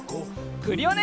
クリオネ！